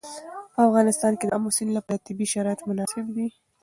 په افغانستان کې د آمو سیند لپاره طبیعي شرایط مناسب دي.